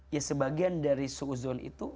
ya sebagian dari suuzon itu